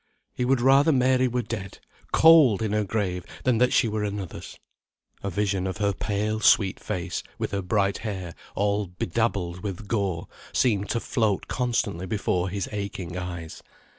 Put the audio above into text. He would rather Mary were dead, cold in her grave, than that she were another's. A vision of her pale, sweet face, with her bright hair all bedabbled with gore, seemed to float constantly before his aching eyes.